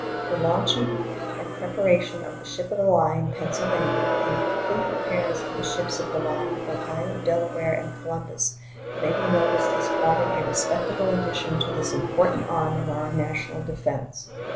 The launching and preparation of the ship of the line Pennsylvania and the complete repairs of the ships of the line Ohio, Delaware, and Columbus may be noticed as forming a respectable addition to this important arm of our national defense.